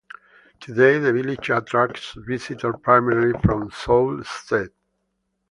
Today, the village attracts visitors primarily from Sault Ste.